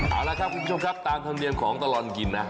เอาละครับคุณผู้ชมครับตามธรรมเนียมของตลอดกินนะ